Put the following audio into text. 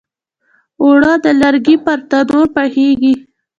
اوړه د لرګي پر تنور پخیږي